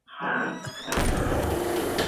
د ښایسته پېغلو نڅا ده